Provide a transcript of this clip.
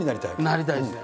なりたいですね。